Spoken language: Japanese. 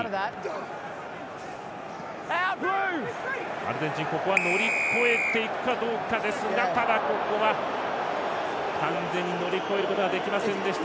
アルゼンチン乗り越えていくかどうかですがただ、ここは完全に乗り越えることができませんでした。